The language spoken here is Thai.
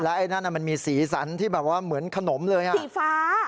ไอ้นั่นมันมีสีสันที่แบบว่าเหมือนขนมเลยอ่ะสีฟ้า